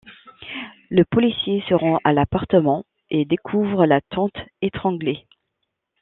Le policier se rend à l'appartement, et découvre la tante étranglée.